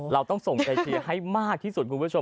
เราต้องส่งใจเชียร์ให้มากที่สุดคุณผู้ชม